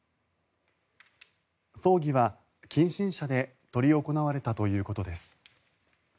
葬儀は近親者で執り行われたということです。